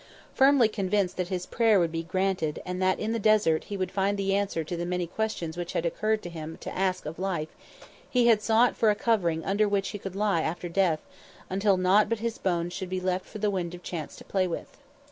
Firmly convinced that his prayer would be granted and that in the desert he would find the answer to the many questions which had occurred to him to ask of life, he had sought for a covering under which he could lie after death until naught but his bones should be left for the wind of chance to play with.